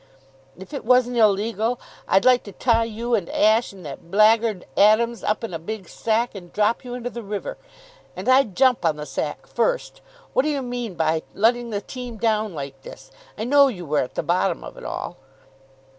"If it wasn't illegal, I'd like to tie you and Ashe and that blackguard Adams up in a big sack, and drop you into the river. And I'd jump on the sack first. What do you mean by letting the team down like this? I know you were at the bottom of it all."